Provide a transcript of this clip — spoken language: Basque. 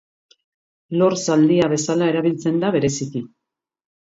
Lor-zaldia bezala erabiltzen da bereziki.